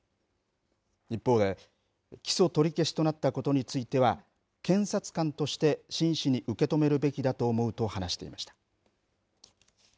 一方で、起訴取り消しとなったことについては検察官として真摯に受け止めるべきだと思うと話していました。